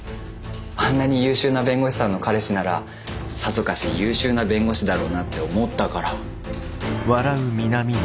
あんなに優秀な弁護士さんの彼氏ならさぞかし優秀な弁護士だろうなって思ったから。